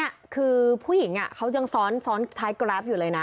นี่คือผู้หญิงเขายังซ้อนท้ายกราฟอยู่เลยนะ